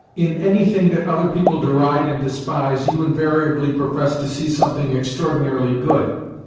"In anything that other people deride and despise you invariably profess to see something extraordinarily good!"